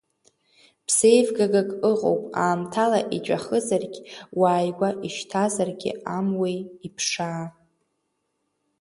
Ԥсеивгагак ыҟоуп, аамҭала иҵәахызаргь, уааигәа ишьҭазаргьы амуеи, иԥшаа.